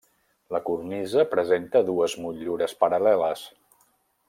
La cornisa presenta dues motllures paral·leles.